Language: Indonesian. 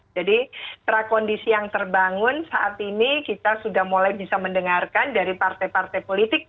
jadi prakondisi yang terbangun saat ini kita sudah mulai bisa mendengarkan dari partai partai politik